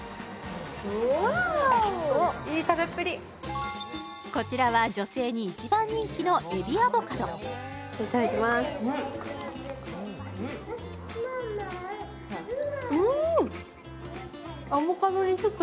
うわおおっいい食べっぷりこちらは女性に一番人気の海老＆アボカドいただきますねえ